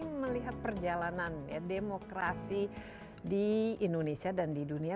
ini melihat perjalanan demokrasi di indonesia dan di dunia